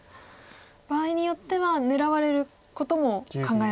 場合によっては狙われることも考えられる。